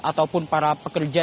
ataupun para pekerja